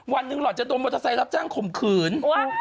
วันหนึ่งหล่อนจะโดนมอเตอร์ไซค์รับจ้างข่มขืน